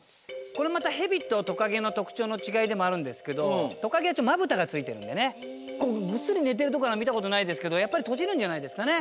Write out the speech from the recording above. これまたヘビとトカゲのとくちょうのちがいでもあるんですけどトカゲはまぶたがついてるんでねこうぐっすり寝てるところはみたことないですけどやっぱりとじるんじゃないですかね。